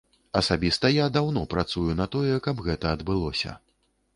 Асабіста я даўно працую на тое, каб гэта адбылося.